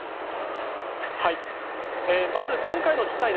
まず今回の事態